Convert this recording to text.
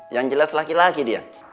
yang jelas laki laki dia